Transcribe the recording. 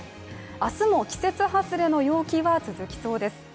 明日も季節外れの陽気が続きそうです。